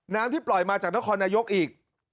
ที่ปล่อยมาจากนครนายกอีก